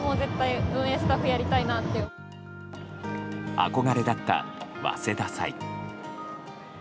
憧れだった早稲田祭。